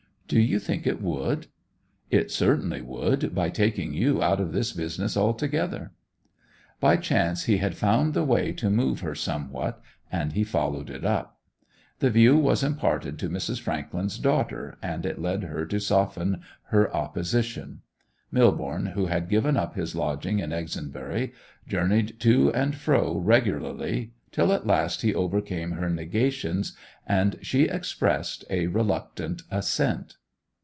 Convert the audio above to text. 'Do you think it would?' 'It certainly would, by taking you out of this business altogether.' By chance he had found the way to move her somewhat, and he followed it up. This view was imparted to Mrs. Frankland's daughter, and it led her to soften her opposition. Millborne, who had given up his lodging in Exonbury, journeyed to and fro regularly, till at last he overcame her negations, and she expressed a reluctant assent.